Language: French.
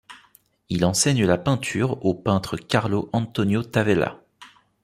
Il enseigne la peinture au peintre Carlo Antonio Tavella.